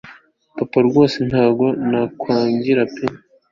papa rwose ntago ntakwangira pe